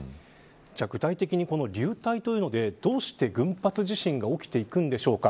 具体的にこの流体というのでどうして群発地震が起きていくんでしょうか。